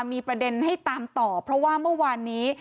มีประเด็นให้ตามต่อเพราะว่าเมื่อวานนี้